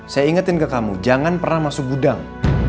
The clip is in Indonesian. saya ingetin ke kamu jangan pernah masuk gudang